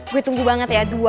gue tunggu banget ya